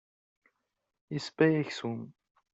Isewway aksum.